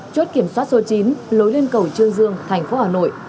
chốt kiểm soát số chín lối lên cầu trương dương thành phố hà nội